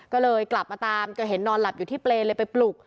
ก็เลยกลับมาตามเธอเห็นนอนหลับอยู่ที่เปรย์เลยไปปลุก